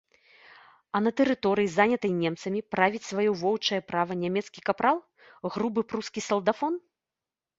А на тэрыторыі, занятай немцамі, правіць сваё воўчае права нямецкі капрал, грубы прускі салдафон?